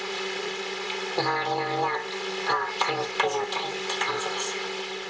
周りのみんなはパニック状態って感じでした。